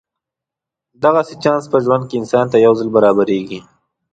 دغسې چانس په ژوند کې انسان ته یو ځل برابرېږي.